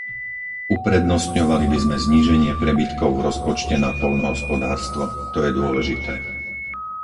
Uprednostňovali by sme zníženie prebytkov v rozpočte na poľnohospodárstvo, to je dôležité.